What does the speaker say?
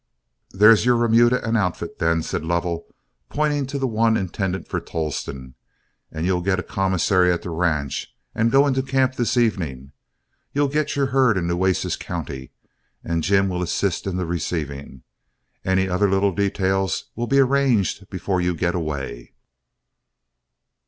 "There's your remuda and outfit, then," said Lovell, pointing to the one intended for Tolleston, "and you'll get a commissary at the ranch and go into camp this evening. You'll get your herd in Nueces County, and Jim will assist in the receiving. Any other little details will all be arranged before you get away."